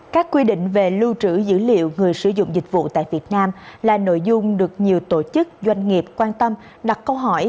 các quy định về lưu trữ dữ liệu người sử dụng dịch vụ tại việt nam là nội dung được nhiều tổ chức doanh nghiệp quan tâm đặt câu hỏi